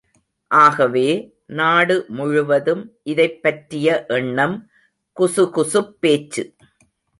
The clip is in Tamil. ஆகவே, நாடு முழுவதும் இதைப் பற்றிய எண்ணம், குசுகுசுப் பேச்சு.